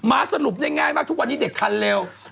สรุปได้ง่ายมากทุกวันนี้เด็กคันเร็ว